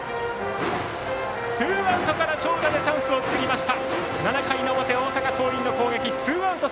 ツーアウトから長打でチャンスを作りました。